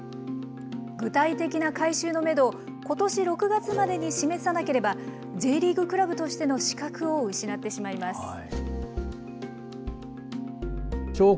具体的な改修のメドをことし６月までに示さなければ、Ｊリーグクラブとしての資格を失ってしまいます。